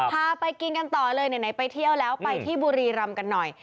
พาไปกินกันต่อเลยไหนไปเที่ยวแล้วไปที่บุรีรำกันหน่อย